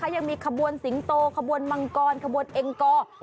ยังมีขบวนสิงโตขบวนมังกรขบวนเองกอร์